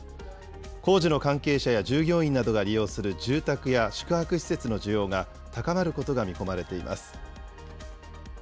工事の関係者や従業員などが利用する住宅や宿泊施設の需要が高まることが見込まれています。